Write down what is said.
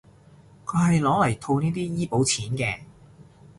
佢係攞嚟套呢啲醫保錢嘅